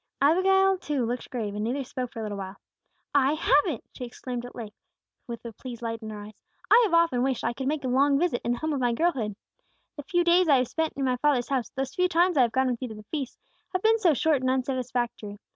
Abigail, too, looked grave, and neither spoke for a little while. "I have it!" she exclaimed at length, with a pleased light in her eyes. "I have often wished I could make a long visit in the home of my girlhood. The few days I have spent in my father's house, those few times I have gone with you to the feasts, have been so short and unsatisfactory.